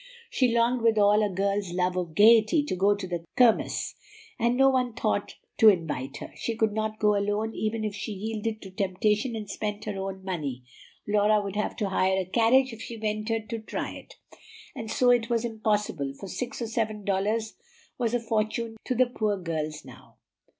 She longed with all a girl's love of gayety to go to the Kirmess, and no one thought to invite her. She could not go alone even if she yielded to temptation and spent her own money. Laura would have to hire a carriage if she ventured to try it; so it was impossible, for six or seven dollars was a fortune to the poor girls now.